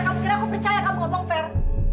kamu kira aku percaya kamu ngomong fair